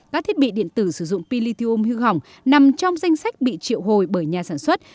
các thiết bị điện tử sử dụng pin lithium hư hỏng nằm trong danh sách bị triệu hồi bởi nhà sản xuất